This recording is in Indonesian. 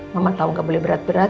mama tau gak boleh berat berat